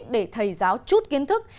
để thầy giáo chút kiến thức